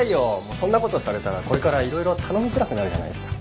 そんなことされたらこれからいろいろ頼みづらくなるじゃないですか。